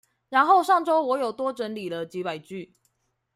然後上週我有多整理了幾百句